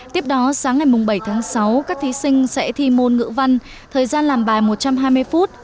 tiếp đó sáng ngày bảy tháng sáu các thí sinh sẽ thi môn ngữ văn thời gian làm bài một trăm hai mươi phút